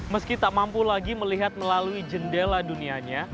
meski tak mampu lagi melihat melalui jendela dunianya